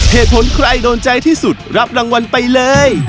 ใครโดนใจที่สุดรับรางวัลไปเลย